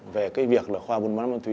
về việc khoa buôn bán máu thúy